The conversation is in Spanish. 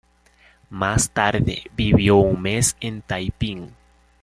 Más tarde vivió un mes en Taiping.